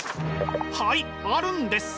はいあるんです！